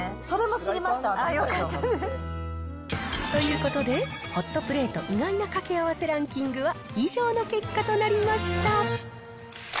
それも知りました、私、きょう。ということで、ホットプレート意外な掛け合わせランキングは、以上の結果となりました。